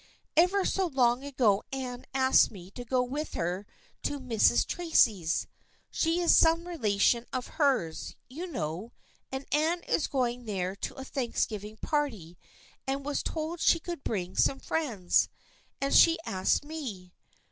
Ever so long ago Anne asked me to go with her to Mrs. Tracy's. She is some relation of hers, you know, and Anne is going there to a Thanksgiving party and was told she could bring some friends, and she asked me.